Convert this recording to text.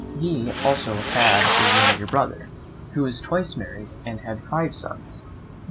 He also had a younger brother, who was twice married, and had five sons viz.